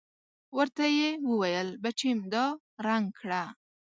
ورته يې وويل بچېم دا رنګ کړه.